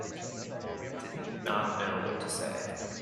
I did not know what to say.